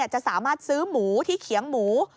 จะสามารถซื้อหมูที่เขียงหมู